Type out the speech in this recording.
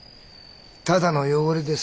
ただの汚れでさ。